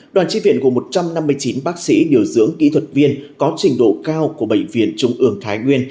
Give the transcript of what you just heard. đoàn tri viện gồm một trăm năm mươi chín bác sĩ điều dưỡng kỹ thuật viên có trình độ cao của bệnh viện trung ương thái nguyên